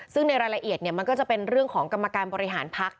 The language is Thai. ซึ่งในรายละเอียดมันก็จะเป็นเรื่องของกรรมการบริหารพัก